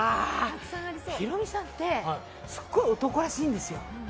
ひろみさんってすごい男らしいんですよ。